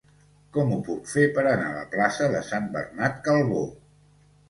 Com ho puc fer per anar a la plaça de Sant Bernat Calbó?